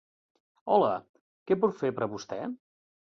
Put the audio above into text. Hola què puc fer per vostè?